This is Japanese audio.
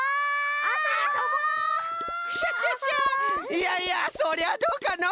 いやいやそれはどうかの。